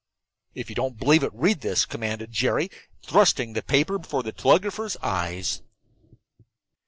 "If you don't believe it, read this," commanded Jerry, thrusting the paper before the telegrapher's eyes.